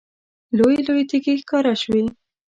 لویې لویې تیږې ښکاره شوې.